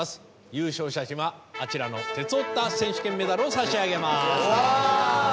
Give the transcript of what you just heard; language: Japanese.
優勝者にはあちらの「鉄オタ選手権」メダルを差し上げます。